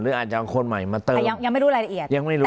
หรืออาจจะเอาคนใหม่มาเติมยังไม่รู้รายละเอียดยังไม่รู้